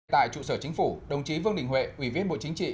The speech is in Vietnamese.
tại trụ sở chính phủ đồng chí vương đình huệ ủy viên bộ chính trị